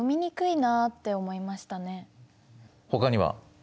ほかには？